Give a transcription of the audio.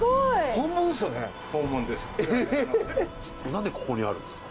本物ですよね？